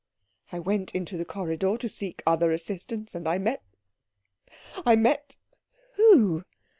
"I went into the corridor to seek other assistance, and I met I met " "Who?"